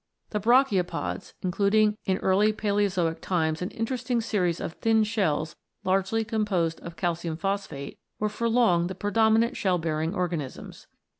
The brachiopods, including in early Palaeozoic times an interesting series of thin shells largely composed of calcium phosphate, were for long the predominant shell bearing organisms.